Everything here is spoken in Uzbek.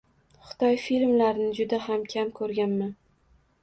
Xitoy filmlarini juda ham kam koʻrganman.